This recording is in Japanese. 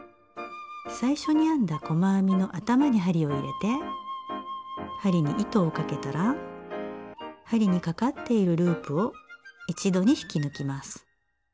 最初に編んだ細編みの頭に針を入れて針に糸をかけたら針にかかっているループを一度に引き抜きます。